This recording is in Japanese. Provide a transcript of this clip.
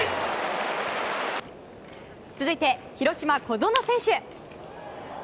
続いて、広島、小園選手。